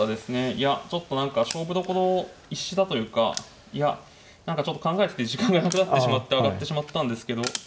いやちょっと何か勝負どころ逸したというかいや何かちょっと考えてて時間がなくなってしまって上がってしまったんですけど。